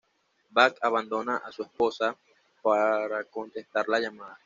Bob abandona a su esposa para contestar la llamada.